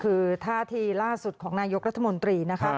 คือท่าทีล่าสุดของนายกรัฐมนตรีนะคะ